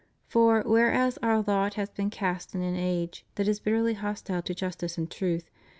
For, whereas Our lot has been cast in an age that is bitterly hostile to justice and truth.